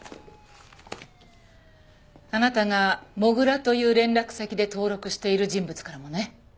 あなたが「土竜」という連絡先で登録している人物からもね。